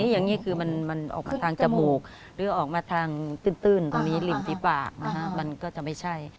อย่างนี้คือมันออกมาทางจมูกหรือออกมาทางตื้นตรงนี้ริมฝีปากมันก็จะไม่ใช่